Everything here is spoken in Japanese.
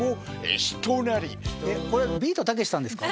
えっこれビートたけしさんですか？